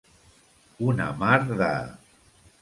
Una mar de.